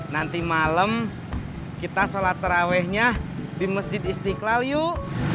nanti malem kita sholat tarawehnya di masjid istiqlal yuk